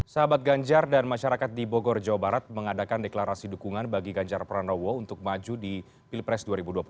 sahabat ganjar dan masyarakat di bogor jawa barat mengadakan deklarasi dukungan bagi ganjar pranowo untuk maju di pilpres dua ribu dua puluh empat